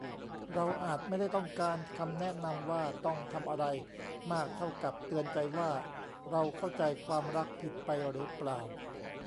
เราอาจไม่ได้ต้องการคำแนะนำว่าต้อง 'ทำ' อะไร มากเท่ากับเตือนใจว่า เราเข้าใจความรักผิดไปหรือเปล่า